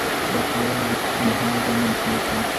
ډاکټران د اوږدمهاله زیانونو مخنیوی کوي.